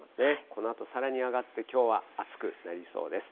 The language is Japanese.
このあと、さらに上がって、きょうは暑くなりそうです。